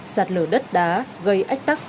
sạt lở đất đá gây ách tắc